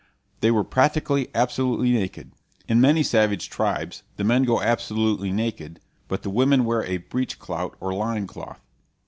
They were practically absolutely naked. In many savage tribes the men go absolutely naked, but the women wear a breech clout or loincloth.